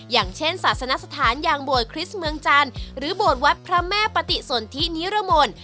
อย่างเช่นศาสนสถานอย่างบวชคริสต์เมืองจันทร์หรือบวชวัดพระแม่ปฏิสนทินิรมน